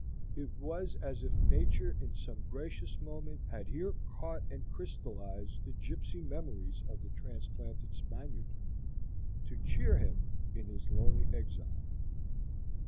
It was as if Nature in some gracious moment had here caught and crystallized the gypsy memories of the transplanted Spaniard, to cheer him in his lonely exile.